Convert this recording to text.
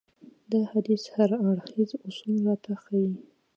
دا حديث هر اړخيز اصول راته ښيي.